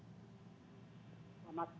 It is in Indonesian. assalamualaikum warahmatullahi wabarakatuh